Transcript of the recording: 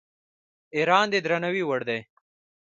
ایران د درناوي وړ دی.